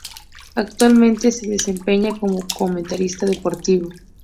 Actualmente se desempeña como comentarista deportivo.